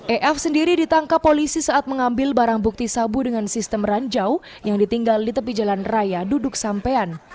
ef sendiri ditangkap polisi saat mengambil barang bukti sabu dengan sistem ranjau yang ditinggal di tepi jalan raya duduk sampean